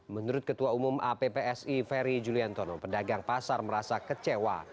menurut ketua umum appsi ferry juliantono pedagang pasar merasa kecewa